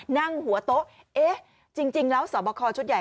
นั่งหัวโต๊ะเอ๊ะจริงแล้วสอบคอชุดใหญ่